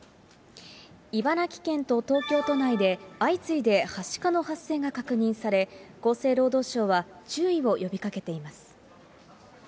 茨城県と東京都内で、相次いではしかの発生が確認され、厚生労働省は注意を呼びかけています。